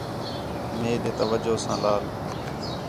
میݙے توجہ ساں لال